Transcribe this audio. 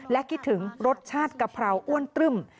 และคิดถึงรสชาติกะเพราอ้วนตรึ่ม